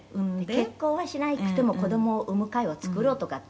「結婚はしなくても子どもを産む会を作ろうとかって」